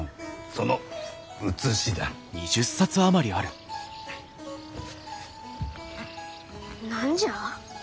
その写しだ。何じゃ？